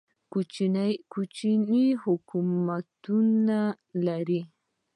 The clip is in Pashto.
کوچني حکومتونه یې لرل.